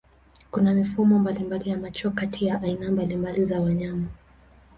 Kuna mifumo mbalimbali ya macho kati ya aina mbalimbali za wanyama.